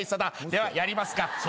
ではやりますか。